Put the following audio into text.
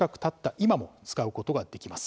今も使うことができます。